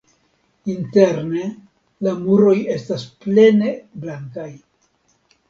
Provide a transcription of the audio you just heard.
Interne la muroj estas plene blankaj.